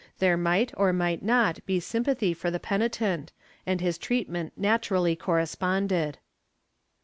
^ There might or might not be sympathy for the penitent and his treat ment naturally corresponded.